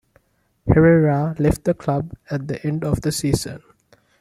Herrera left the club at the end of the season.